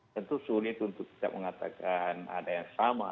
tentu sulit untuk tidak mengatakan ada yang sama